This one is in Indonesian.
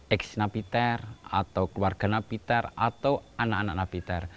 ex napiter atau keluarga napiter atau anak anak napiter